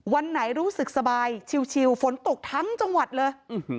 วันไหนรู้สึกสบายชิวฝนตกทั้งจังหวัดเลย